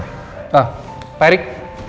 nah pak erik